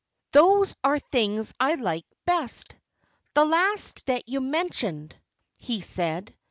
"Those are the things I like best the last that you mentioned," he said.